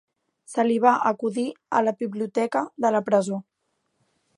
Se li va acudir a la biblioteca de la presó.